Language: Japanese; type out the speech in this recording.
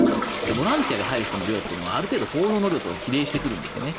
ボランティアの入る人の量はある程度、報道の量と比例してくるんですよね。